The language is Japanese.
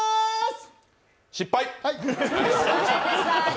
失敗！